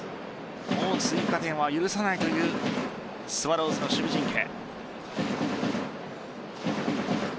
追加点はもう許さないというスワローズの守備陣形。